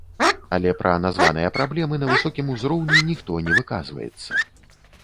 Але пра названыя праблемы на высокім узроўні ніхто не выказваецца.